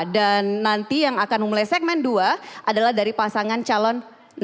dan nanti yang akan memulai segmen dua adalah dari pasangan calon satu